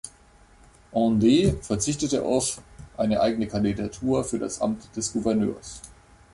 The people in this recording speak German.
Hendee verzichtete auf eine eigene Kandidatur für das Amt des Gouverneurs.